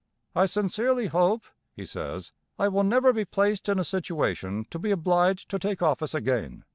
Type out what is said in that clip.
'I sincerely hope,' he says, 'I will never be placed in a situation to be obliged to take office again.